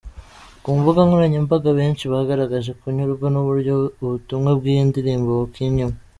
Ku mbuga nkoranyambaga, benshi bagaragaje kunyurwa n’uburyo ubutumwa bw’iyi ndirimbo bukinnyemo.